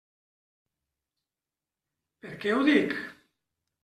Per què ho dic?